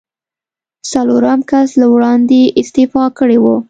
څلورم کس له وړاندې استعفا کړې وه.